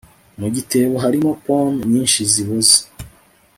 mu gitebo harimo pome nyinshi ziboze